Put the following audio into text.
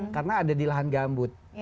karena ada di lahan gambut